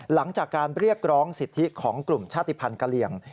หลังจากการเรียกร้องสิทธิของกลุ่มชาติภัณฑ์กะเหลี่ยง